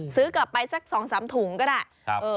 ซื้อกลับไปสัก๒๓ถุงก็ได้